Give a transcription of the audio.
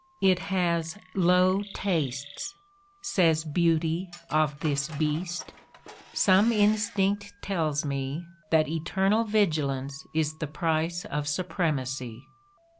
"It has low tastes," says Beauty of this Beast. "Some instinct tells me that eternal vigilance is the price of supremacy."